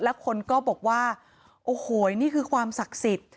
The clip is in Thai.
แล้วคนก็บอกว่าโอ้โหนี่คือความศักดิ์สิทธิ์